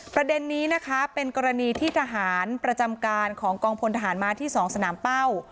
ประเด็นนี้นะคะเป็นกรณีที่ทหารประจำการของกองพลทหารม้าที่๒สนามเป้า